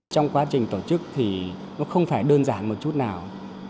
trong quá trình tổ chức thì nó không phải đơn giản một chút nào